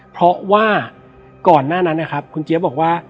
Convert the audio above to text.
เพราะว่าก่อนหน้านั้นนะครับคุณเจี๊ยบบอกว่า